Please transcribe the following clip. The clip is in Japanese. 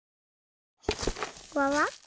わわっ？